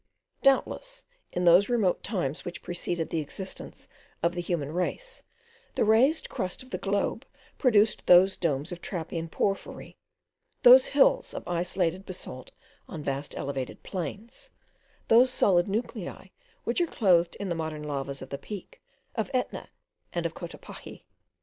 Doubtless, in those remote times which preceded the existence of the human race, the raised crust of the globe produced those domes of trappean porphyry, those hills of isolated basalt on vast elevated plains, those solid nuclei which are clothed in the modern lavas of the Peak, of Etna, and of Cotopaxi.